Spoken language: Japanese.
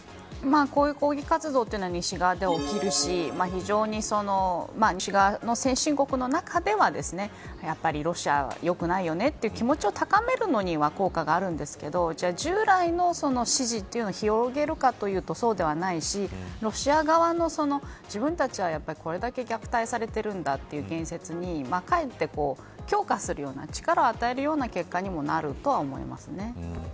こういう抗議活動というのは西側で起きるし非常に西側の先進国の中ではやはりロシアは良くないよねという気持ちを高めるのには効果があるんですけど従来の支持を広げるというとそうではないしロシア側の自分たちはこれだけ虐待されてるんだという言説にかえって強化するような力を与えるような結果にもなるとは思います。